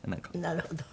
なるほど。